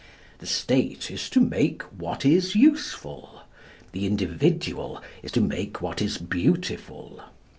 The State is to make what is useful. The individual is to make what is beautiful.